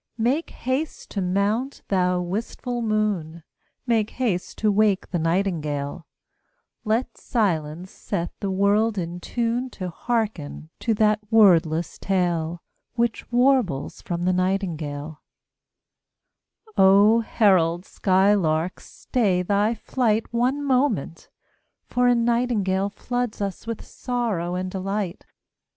Make haste to mount, thou wistful moon, Make haste to wake the nightingale: Let silence set the world in tune To hearken to that wordless tale Which warbles from the nightingale O herald skylark, stay thy flight One moment, for a nightingale Floods us with sorrow and delight.